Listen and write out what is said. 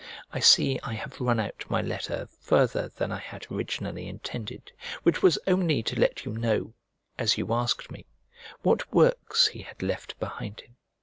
I see I have run out my letter farther than I had originally intended, which was only to let you know, as you asked me, what works he had left behind him.